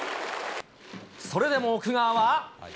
それでも奥川は。